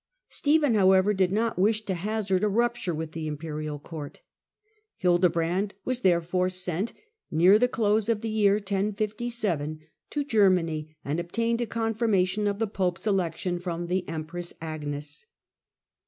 Stephen, how ever, did not wish to hazard a rupture with the imperial court. Hildebrand was therefore sent, near the close of the year (1057), to Germany, and obtained a confirma tion of the pope's election .from the empress Agnes.